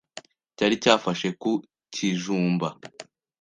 cyari cyafashe ku kijumba